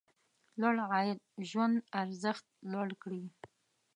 لوړ عاید ژوند ارزښت لوړ کړي.